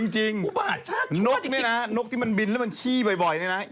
จริงนกเนี่ยนะนกที่มันบินมันขี้บ่อยนี้นะ